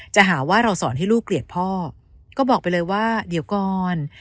จะหาว่าเราสอนให้ลูกเกลียดพ่อก็บอกไปเลยว่าเดี๋ยวก่อน